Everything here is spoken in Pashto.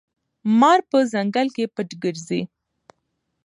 مار په ځنګل کې پټ ګرځي.